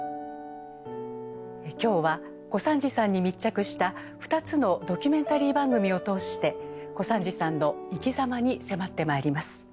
今日は小三治さんに密着した２つのドキュメンタリー番組を通して小三治さんの生きざまに迫ってまいります。